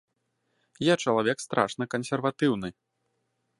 Я чалавек страшна кансерватыўны.